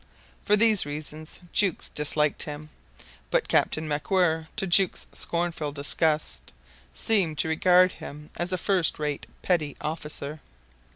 For these reasons Jukes disliked him; but Captain MacWhirr, to Jukes' scornful disgust, seemed to regard him as a first rate petty officer.